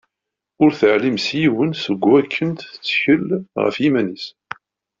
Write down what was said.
Ur teɛlim s yiwen seg wakken tettkel ɣef yiman-is.